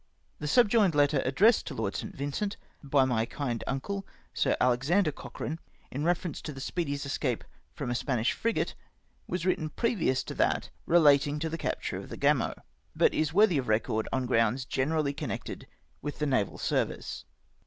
The subjoined letter addi essed to Lord St. Vincent by my kind uncle Sir Alexander Cochrane, in reference to the S]peedy's escape from a Spanish frigate (see page 100), was written previous to that relating to the capture of the Gamo, but is worthy of record on grounds generally connected with the naval service.